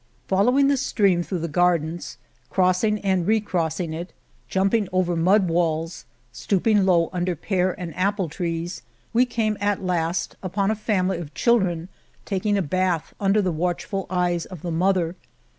Following the stream through the gar dens, crossing and recrossing it, jumping over mud walls, stooping low under pear and apple trees, we came at last upon a family of children taking a bath under the watch ful eyes of the mother.